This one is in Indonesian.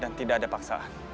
dan tidak ada paksaan